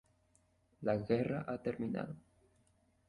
La guerra ha terminado.